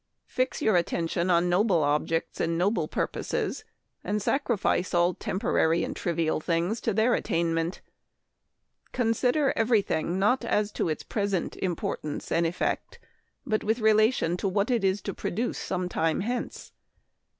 ... Fix your attention on noble objects and noble purposes, and sacrifice all temporary and trivial things to their attain ment. Consider every thing not as to its pres ent importance and effect, but with relation to what it is to produce some time hence.